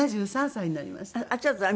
４３年になりました。